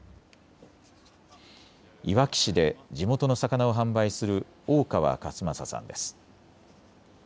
いわき市で地元の魚を販売する大川勝正さんです。